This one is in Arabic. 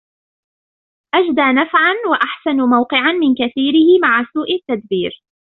أَجْدَى نَفْعًا وَأَحْسَنُ مَوْقِعًا مِنْ كَثِيرِهِ مَعَ سُوءِ التَّدْبِيرِ